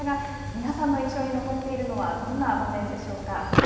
皆さんの印象に残っているのはどんな場面でしょうか。